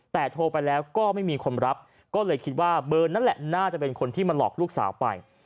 แต่โทรไปแล้วก็ไม่มีคนรับก็เลยคิดว่าเบอร์นั่นแหละน่าจะเป็นคนที่มาหลอกลูกสาวไป